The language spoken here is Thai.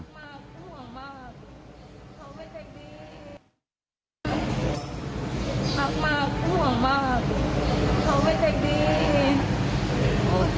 กุญชาอะไรครับผมตลอด